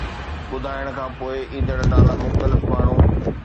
ٻڌائڻ کان پوءِ، ايندڙ نالا مختلف ماڻهو